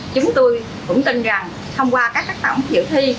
chúng tôi cũng tin rằng thông qua các phát phẩm giữ thi